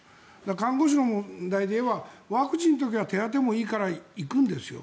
看護師の問題でいえばワクチンの時は手当てもいいから行くんですよ。